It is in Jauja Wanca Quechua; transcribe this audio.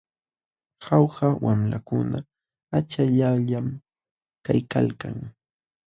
Jauja wamlakuna achallawllam kaykalkan.